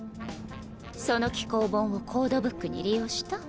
その稀覯本をコードブックに利用した？